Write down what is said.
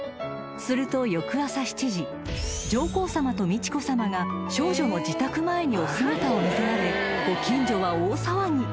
［すると翌朝７時上皇さまと美智子さまが少女の自宅前にお姿を見せられご近所は大騒ぎ］